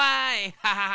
ハハハ！